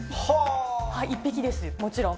１匹です、もちろん。